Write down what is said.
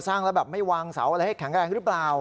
สร้างแล้วแบบไม่วางเสาอะไรให้แข็งแรงหรือเปล่า